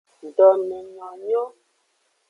Domenyonyo.